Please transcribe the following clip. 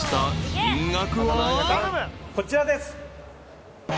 こちらです。